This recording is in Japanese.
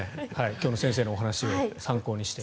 今日の先生のお話を参考にして。